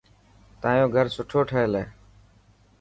تايو گھر سٺو ٺهيل هي.